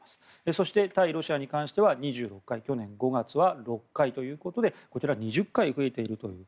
そして、対ロシアに関しては２６回去年５月は６回ということでこちら２０回増えているという。